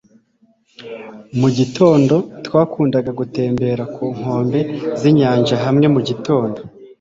mu gitondo twakundaga gutembera ku nkombe z'inyanja hamwe mu gitondo